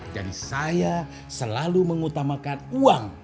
jadi saya selalu mengutamakan uang